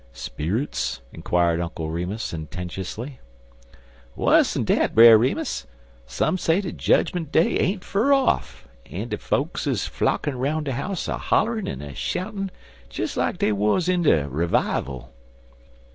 "Sperrits?" inquired Uncle Remus, sententiously. "Wuss'n dat, Brer Remus. Some say dat jedgment day ain't fur off, an' de folks is flockin' 'roun' de house a hollerin' an' a shoutin' des like dey wuz in er revival.